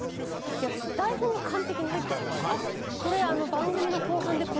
私台本は完璧に入ってるからあこれ。と思って。